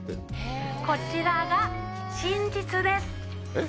こちらが寝室です。